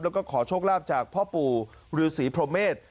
แล้วก็ขอโชคลาภจากพ่อปู่รือศรีโปรเมธ